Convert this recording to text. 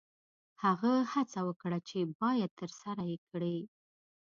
هغه څه وکړه چې باید ترسره یې کړې.